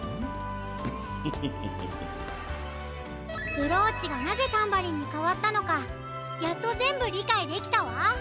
ブローチがなぜタンバリンにかわったのかやっとぜんぶりかいできたわ。